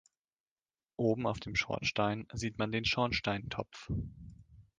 Oben auf dem Schornstein sieht man den Schornsteintopf